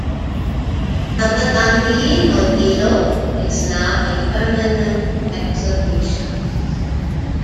Kaba Gandhi No Delo, is now a permanent exhibition.